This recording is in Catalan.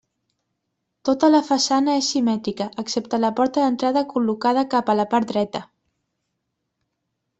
Tota la façana és simètrica, excepte la porta d'entrada col·locada cap a la part dreta.